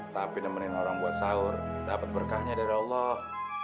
tapi nemenin orang buat sahur dapat berkahnya dari allah